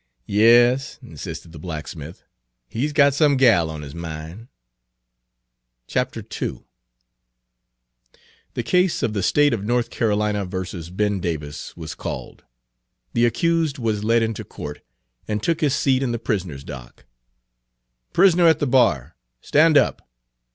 "Yas," insisted the blacksmith, "he 's got some gal on his min'." II The case of the State of North Carolina vs. Ben Davis was called. The accused was led into court, and took his seat in the prisoner's dock. "Prisoner at the bar, stand up."